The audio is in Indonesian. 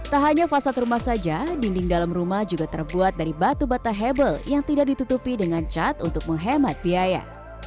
tak hanya fasad rumah saja dinding dalam rumah juga terbuat dari batu bata hebel yang tidak ditutupi dengan cat untuk menghemat biaya